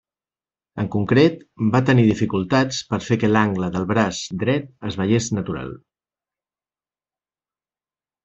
En concret, va tenir dificultats per fer que l'angle del braç dret es veiés natural.